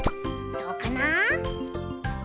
どうかな？